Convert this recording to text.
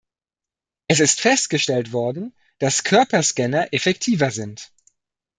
Es ist festgestellt worden, dass Körperscanner effektiver sind.